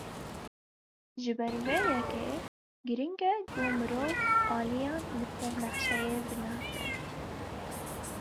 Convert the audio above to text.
Ji ber vê yekê, giring e ku mirov aliyan li ser nexşeyê binase.